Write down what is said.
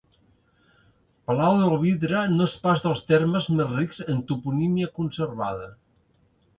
Palau del Vidre no és pas dels termes més rics en toponímia conservada.